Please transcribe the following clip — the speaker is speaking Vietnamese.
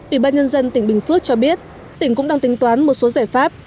ủy ban nhân dân tỉnh bình phước cho biết tỉnh cũng đang tính toán một số giải pháp